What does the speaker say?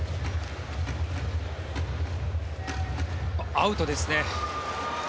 アウトですね。